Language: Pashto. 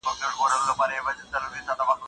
وړه خو نده چې راليږي ځنځيرونه